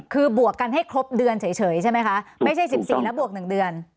คือบวกกันให้ครบเดือนเฉยใช่ไหมคะไม่ใช่๑๔แล้วบวก๑เดือน